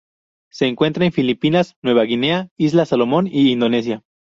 Se encuentra en Filipinas, Nueva Guinea, Islas Salomón y Indonesia.